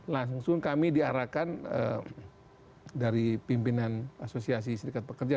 langsung kami diarahkan dari pimpinan asosiasi serikat pekerja